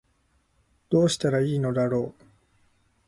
どうしたら良いのだろう